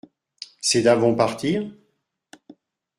Ces dames vont partir ?…